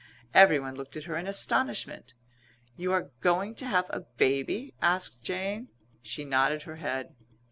Everyone looked at her in astonishment. "You are going to have a baby?" asked Jane. She nodded her head.